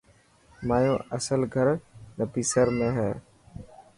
مايو اصل گھر نبصر ۾ هي.